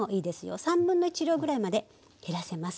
1/3量ぐらいまで減らせます。